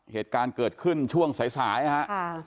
เหตุการณ์เกิดขึ้นช่วงสายนะครับ